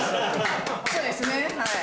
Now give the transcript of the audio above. そうですねはい。